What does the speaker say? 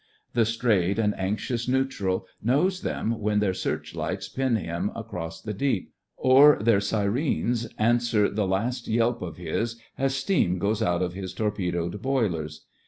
The strayed and anxious neutral knows them when their searchlights pin him across the deep, or their syrens answer the last yelp of his as steam goes out of his tor pedoed boilers.